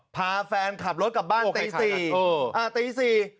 พาแฟนขับรถกลับบ้านตี๔ตี๔